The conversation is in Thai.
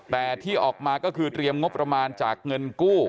แต่ที่ออกมาก็คือเตรียมงบประมาณจากเงินกู้